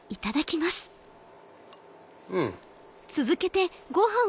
うん。